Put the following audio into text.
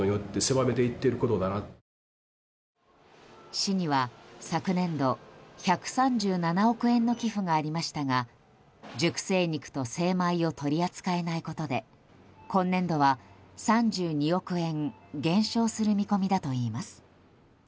市には昨年度１３７億円の寄付がありましたが熟成肉と精米を取り扱えないことで今年度は３２億円減少する見込みだといいます。